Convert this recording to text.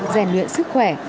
rèn luyện sức khỏe